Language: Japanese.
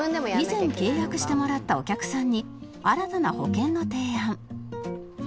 以前契約してもらったお客さんに新たな保険の提案